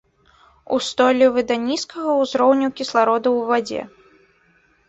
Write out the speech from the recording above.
Устойлівы да нізкага узроўню кіслароду ў вадзе.